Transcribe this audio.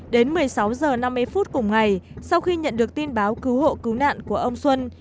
đến một mươi sáu h năm mươi phút cùng ngày sau khi nhận được tin báo cứu hộ cứu nạn của ông xuân